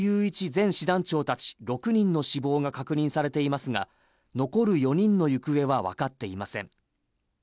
前師団長たち６人の死亡が確認されていますが、残る４人の行方はわかっていません。